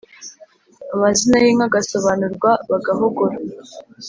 amazina y’inka agasobanurwa bagahogora,